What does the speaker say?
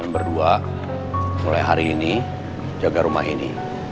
dan berdua mulai hari ini jaga rumah ini